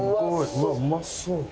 うわうまそう。